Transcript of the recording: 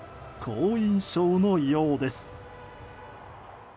好印象のようです。